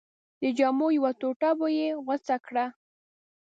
د جامو یوه ټوټه به یې غوڅه کړه.